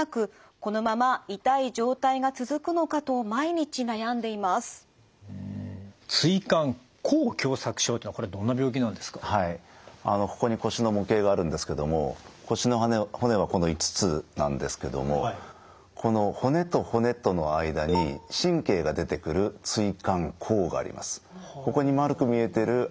ここに腰の模型があるんですけども腰の骨はこの５つなんですけどもこの骨と骨との間に神経が出てくる椎間孔があります。